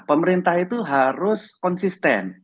pemerintah itu harus konsisten